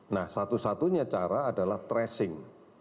nah satu satunya cara adalah tracing